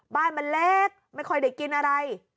บ้านมันเล็กไม่ค่อยได้กินอะไร